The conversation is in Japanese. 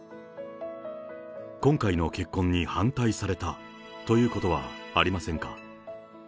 今回の結婚に反対されたということはありませんか。